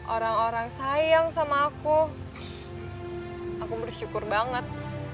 orang orang sayang sama aku aku bersyukur banget